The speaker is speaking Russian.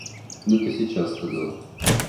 Да ты сейчас сказал...